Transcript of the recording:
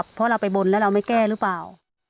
เพราะเราไปบนแล้วเราไม่แก้หรือเปล่า